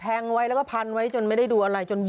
งไว้แล้วก็พันไว้จนไม่ได้ดูอะไรจน